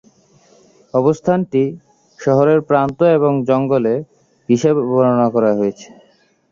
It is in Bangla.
অবস্থানটি "শহরের প্রান্ত এবং জঙ্গলে" হিসাবে বর্ণনা করা হয়েছিল।